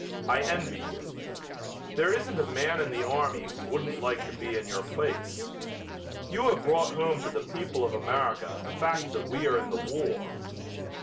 I envy you. There isn't a man in the army who wouldn't like to be in your place. You have brought home to the people of America the fact that we are in the war."